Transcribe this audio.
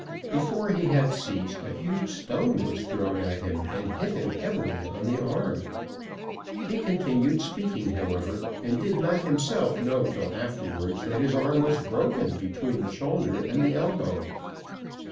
Before he had ceased a huge stone was thrown at him, and hit him heavily on the arm. He continued speaking, however, and did not himself know till afterwards that his arm was broken between the shoulder and the elbow.